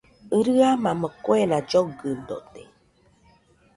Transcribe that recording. Rɨamamo kuena llogɨdote